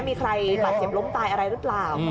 มีใครบาดเจ็บล้มตายอะไรหรือเปล่า